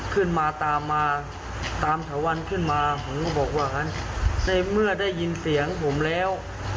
ขึ้นมาตามมาตามถวันขึ้นมาผมก็บอกว่าในเมื่อได้ยินเสียงผมแล้ว